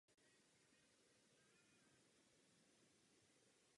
Pozdější práce jeho teorii o vývoji potvrdily.